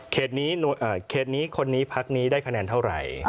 เขตนี้คนนี้พักนี้ได้คะแนนเท่าไหร่